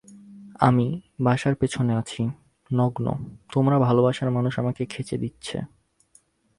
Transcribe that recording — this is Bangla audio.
আমি, বাসার পেছনে আছি, নগ্ন, তোমার ভালোবাসার মানুষ আমাকে খেচে দিচ্ছে।